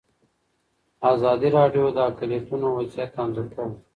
ازادي راډیو د اقلیتونه وضعیت انځور کړی.